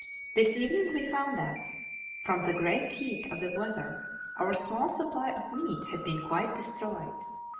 This evening we found that, from the great heat of the weather, our small supply of meat had been quite destroyed.